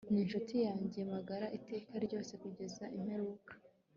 Ni inshuti yanjye magara iteka ryose kugeza imperuka